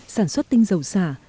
sản xuất tinh dầu xả